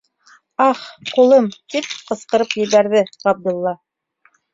- Ах, ҡулым! - тип ҡысҡырып ебәрҙе Ғабдулла.